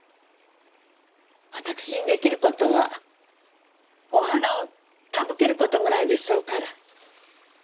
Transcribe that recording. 私にできる事はお花を手向ける事ぐらいでしょうから。